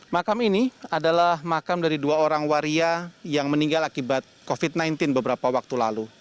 makam ini adalah makam dari dua orang waria yang meninggal akibat covid sembilan belas beberapa waktu lalu